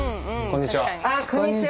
こんにちは。